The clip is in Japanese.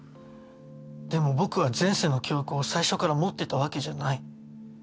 でも僕は前世の記憶を最初から持ってたわけじゃない。